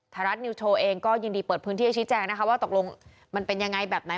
รัฐนิวโชว์เองก็ยินดีเปิดพื้นที่ให้ชี้แจงนะคะว่าตกลงมันเป็นยังไงแบบไหน